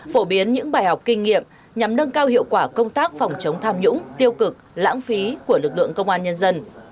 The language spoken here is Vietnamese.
phổ biến những bài học kinh nghiệm nhằm nâng cao hiệu quả công tác phòng chống tham nhũng tiêu cực lãng phí của lực lượng công an nhân dân